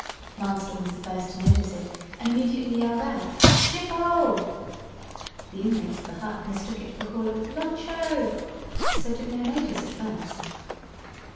"Marston was the first to notice it, and immediately yelled out 'Ship O!' The inmates of the hut mistook it for a call of 'Lunch O!' so took no notice at first.